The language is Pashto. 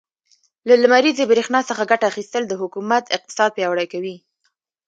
له لمريزې برښنا څخه ګټه اخيستل, د حکومت اقتصاد پياوړی کوي.